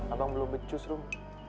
abang belum becus rom